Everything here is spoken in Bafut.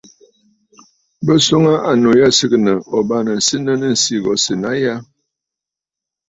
Bɨ swoŋə aa annu yî sɨgɨ̀ǹə̀ ò bâŋnə̀ senə nɨ̂ ǹsî sènə̀ aa a ya?